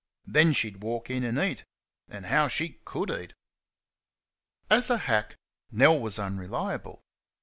Then she'd walk in and eat. And how she COULD eat! As a hack, Nell was unreliable.